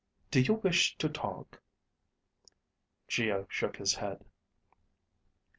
"Do you wish to talk?" Geo shook his head.